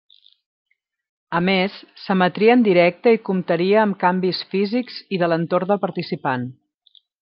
A més, s'emetria en directe i comptaria amb canvis físics i de l'entorn del participant.